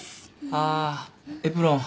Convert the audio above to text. ああエプロン。